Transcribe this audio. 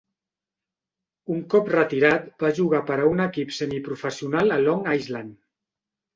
Un cop retirat, va jugar per a un equip semiprofessional a Long Island.